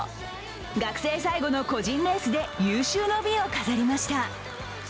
学生最後の個人レースで有終の美を飾りました。